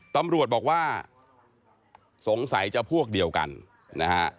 ตำรวจบอกว่าสงสัยจะพวกเดียวกันนะฮะ